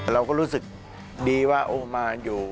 เราก็รู้สึกดีว่าโอมานอยู่